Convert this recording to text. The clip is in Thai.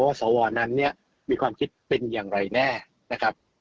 สวนั้นเนี่ยมีความคิดเป็นอย่างไรแน่นะครับ